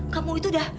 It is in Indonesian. kamu itu udah